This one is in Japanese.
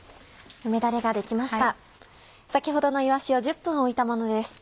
先ほどのいわしを１０分置いたものです。